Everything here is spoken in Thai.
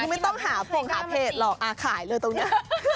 ไม่ต้องหาพงหาเพจหรอกขายเลยตรงนี้